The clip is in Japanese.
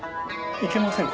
いけませんか？